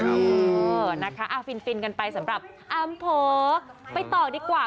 เออนะคะฟินกันไปสำหรับอำเภอไปต่อดีกว่า